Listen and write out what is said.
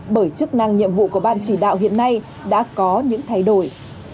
bởi chức năng nhiệm vụ của ban chỉ đạo hiện nay đã có những thay đổi